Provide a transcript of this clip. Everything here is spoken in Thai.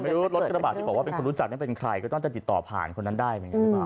แต่รถกระดาษที่บอกว่าเป็นคนรู้จักไม่เป็นใครก็ต้องติดต่อผ่านคนนั้นได้